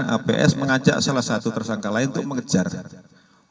aps mengajak salah satu tersangka lain untuk mengejar